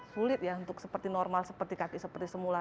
sulit ya untuk seperti normal seperti kaki seperti semula